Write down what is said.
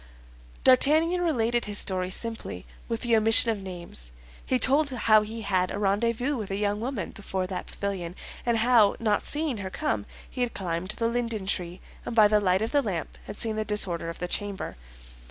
D'Artagnan related his story simply, with the omission of names. He told how he had a rendezvous with a young woman before that pavilion, and how, not seeing her come, he had climbed the linden tree, and by the light of the lamp had seen the disorder of the chamber.